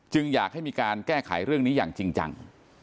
อยากให้มีการแก้ไขเรื่องนี้อย่างจริงจัง